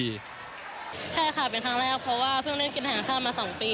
ใช่ค่ะเป็นครั้งแรกเพราะว่าเพิ่งเล่นคินแห่งชาติมา๒ปี